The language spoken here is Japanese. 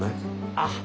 あっ